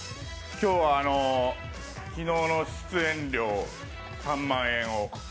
今日は昨日の出演料３万円を。